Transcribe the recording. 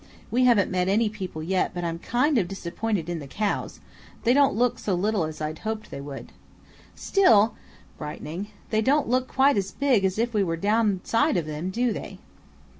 We haven't met any people yet, but I'm KIND of disappointed in the cows; they don't look so little as I hoped they would; still (brightening) they don't look quite as big as if we were down side of them, do they?